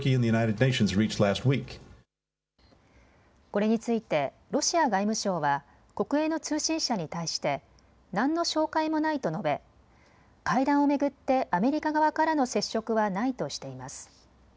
これについてロシア外務省は国営の通信社に対して何の照会もないと述べ会談を巡ってアメリカ側からの接触はないとしています。